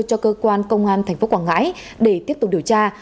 cho cơ quan công an tp quảng ngãi để tiếp tục điều tra